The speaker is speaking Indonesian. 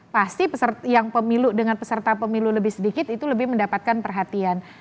pasti yang pemilu dengan peserta pemilu lebih sedikit itu lebih mendapatkan perhatian